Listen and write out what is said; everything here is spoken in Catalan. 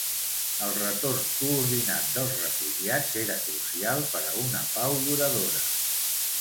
El retorn coordinat dels refugiats era crucial per a una pau duradora.